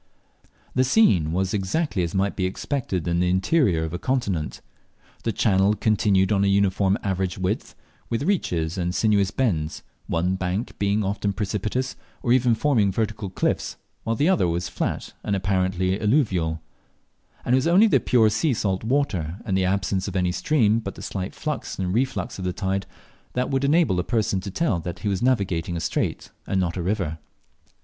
The scene was exactly such as might be expected in the interior of a continent. The channel continued of a uniform average width, with reaches and sinuous bends, one bank being often precipitous, or even forming vertical cliffs, while the other was flat and apparently alluvial; and it was only the pure salt water, and the absence of any stream but the slight flux and reflux of the tide, that would enable a person to tell that he was navigating a strait and not a river.